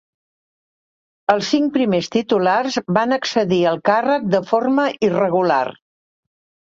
Els cinc primers titulars van accedir al càrrec de forma irregular.